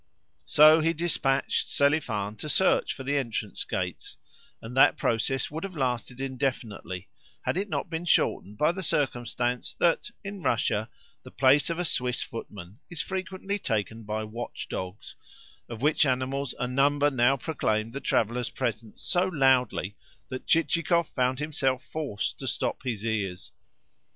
So he dispatched Selifan to search for the entrance gates, and that process would have lasted indefinitely had it not been shortened by the circumstance that, in Russia, the place of a Swiss footman is frequently taken by watchdogs; of which animals a number now proclaimed the travellers' presence so loudly that Chichikov found himself forced to stop his ears.